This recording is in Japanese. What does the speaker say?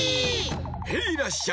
ヘイらっしゃい！